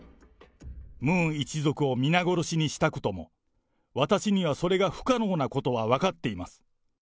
ムン一族を皆殺しにしたくとも、私にはそれが不可能なことは分かっています。